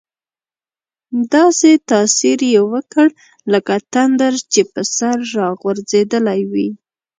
داسې تاثیر یې وکړ لکه تندر چې په سر را غورځېدلی وي.